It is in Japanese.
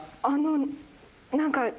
あの何か。